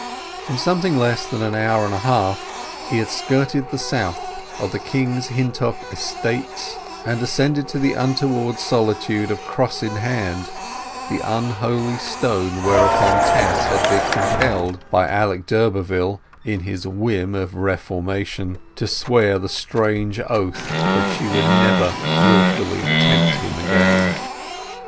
In something less than an hour and a half he had skirted the south of the King's Hintock estates and ascended to the untoward solitude of Cross in Hand, the unholy stone whereon Tess had been compelled by Alec d'Urberville, in his whim of reformation, to swear the strange oath that she would never wilfully tempt him again.